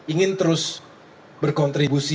ingin terus berkontribusi